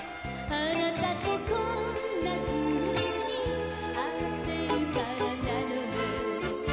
「あなたとこんなふうに会ってるからなのね」